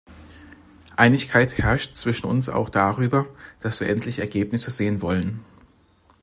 Einigkeit herrscht zwischen uns auch darüber, dass wir endlich Ergebnisse sehen wollen.